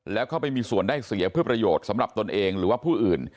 แล้วเข้าไปมีส่วนได้เสียเพื่อประโยชน์สำหรับตนเองหรือว่าผู้อื่น